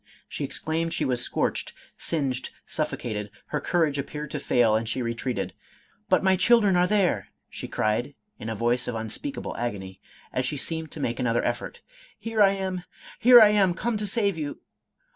She exclaimed she was scorched, singed, suffo cated; her courage appeared to fail, and she retreated* " But my children are there !" she cried in a voice of un speakable agony, as she seemed to make another effort; '* here I am — here I am come to save you.